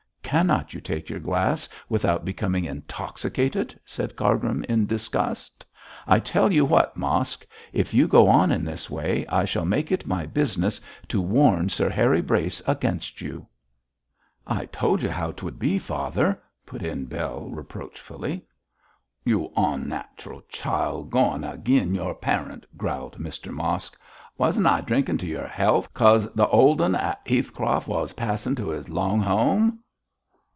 'Cannot you take your glass without becoming intoxicated?' said Cargrim, in disgust. 'I tell you what, Mosk, if you go on in this way, I shall make it my business to warn Sir Harry Brace against you.' 'I told you how t'would be, father,' put in Bell, reproachfully. 'You onnatural child, goin' agin your parent,' growled Mr Mosk. 'Wasn't I drinking to your health, 'cause the old 'un at Heathcroft wos passin' to his long 'ome?